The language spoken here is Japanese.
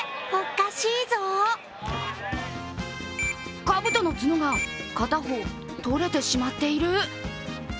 かぶとの角が片方取れてしまっている。